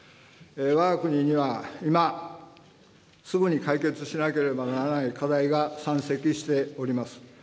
わが国には今、すぐに解決しなければならない課題が山積しております。